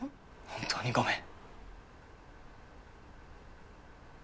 本当にごめん！